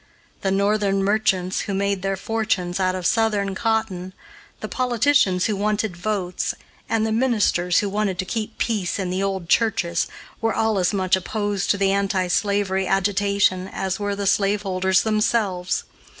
The Northern merchants who made their fortunes out of Southern cotton, the politicians who wanted votes, and the ministers who wanted to keep peace in the churches, were all as much opposed to the anti slavery agitation as were the slaveholders themselves.